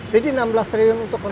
jadi enam belas triliun untuk konsumsi